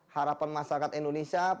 harapan masyarakat indonesia